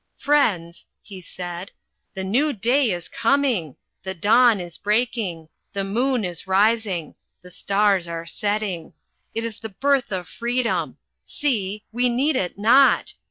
"Friends," he said, "the new day is coming. The dawn is breaking. The moon is rising. The stars are setting. It is the birth of freedom. See! we need it not!"